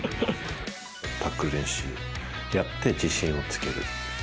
タックル練習やって自信をつける。